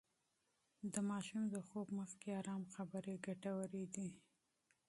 د ماشوم د خوب مخکې ارام خبرې ګټورې دي.